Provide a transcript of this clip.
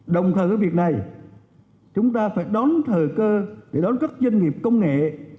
đồng thời với việc này chúng ta phải đón thời cơ để đón các doanh nghiệp công nghệ